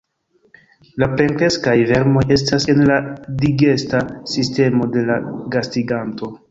La plenkreskaj vermoj estas en la digesta sistemo de la gastiganto.